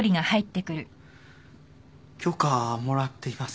許可もらっています。